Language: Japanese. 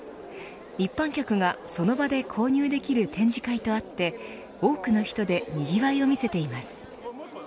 一般客がその場で購入できる展示会とあって多くの人でにぎわいを見せています。